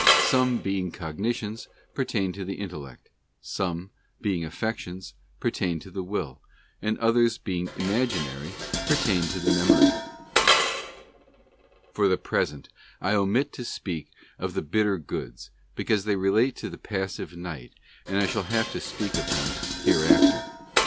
Some, being cognitions, pertain to the Intellect; some, being affections, pertain to the Will; and others, being imaginary, pertain to the Memory. For the present I omit to speak of the bitter goods, because they relate to the Pas sive Night, and I shall have to speak of them hereafter.